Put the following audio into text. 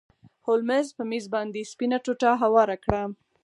هولمز په میز باندې سپینه ټوټه هواره کړه.